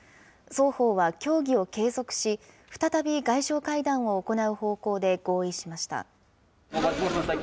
双方は協議を継続し、再び外相会談を行う方向で合意しました。